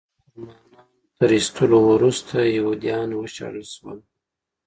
له خاورې د مسلنانو تر ایستلو وروسته یهودیان وشړل شول.